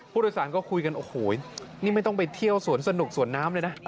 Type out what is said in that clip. ผู้โดยสารก็คุยกันโอ้โหนี่ไม่ต้องไปเที่ยวสวนสนุกสวนน้ำเลยนะ